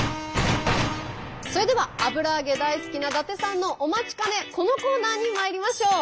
それでは油揚げ大好きな伊達さんのお待ちかねこのコーナーにまいりましょう！